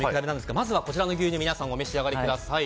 まずは、こちらの牛乳を皆さんお召し上がりください。